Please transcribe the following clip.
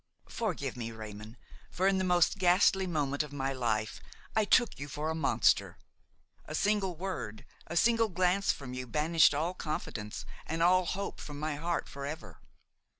"Forgive me, Raymon, for in the most ghastly moment of my life I took you for a monster. A single word, a single glance from you banished all confidence and all hope from my heart forever.